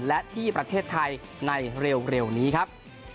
และที่ประเทศไทยในเร็วนี้ครับ